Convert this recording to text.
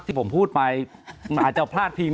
ที่ผมพูดไปมันอาจจะพลาดพิง